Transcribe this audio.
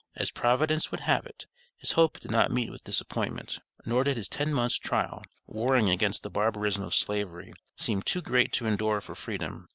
As Providence would have it, his hope did not meet with disappointment; nor did his ten months' trial, warring against the barbarism of Slavery, seem too great to endure for Freedom.